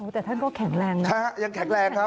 แต่ท่านก็แข็งแรงนะยังแข็งแรงครับ